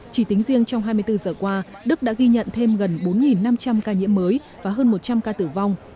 chỉ tính riêng trong hai mươi bốn giờ qua đức đã ghi nhận thêm gần bốn năm trăm linh ca nhiễm mới và hơn một trăm linh ca tử vong